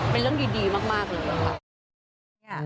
เป็นเรื่องดีมากเลยค่ะ